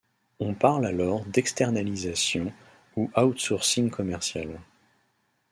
On parle alors d'externalisation ou outsourcing commercial.